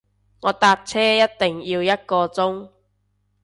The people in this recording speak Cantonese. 我搭車一定要一個鐘